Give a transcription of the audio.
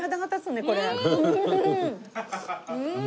うん！